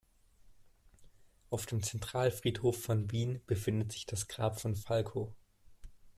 Auf dem Zentralfriedhof von Wien befindet sich das Grab von Falco.